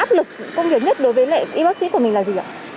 áp lực công việc nhất đối với lại y bác sĩ của mình là gì ạ